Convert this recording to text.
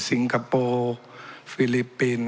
สิงคโปร์ฟิลิปปิน